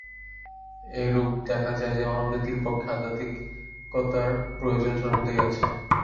এইরূপে দেখা যায় যে, মানব-জাতির পক্ষে আধ্যাত্মিকতার প্রয়োজন সর্বদাই আছে।